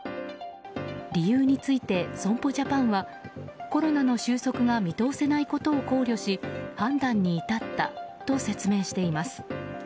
理由について損保ジャパンはコロナの収束が見通せないことを考慮し判断に至ったと説明しています。